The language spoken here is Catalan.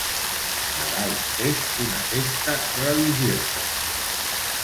Nadal és una festa religiosa.